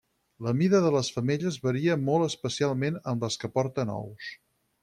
La mida de les femelles varia molt especialment amb les que porten ous.